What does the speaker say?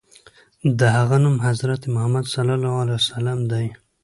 د هغه نوم حضرت محمد ص دی.